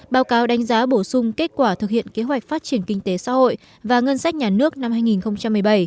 báo cáo đánh giá bổ sung kết quả thực hiện kế hoạch phát triển kinh tế xã hội và ngân sách nhà nước năm hai nghìn một mươi bảy